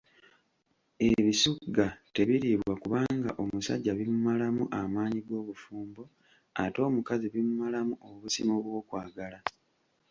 Ebisugga tebiriibwa kubanga omusajja bimumalamu amaanyi g'obufumbo ate omukazi bimumalamu obusimu bw'okwagala.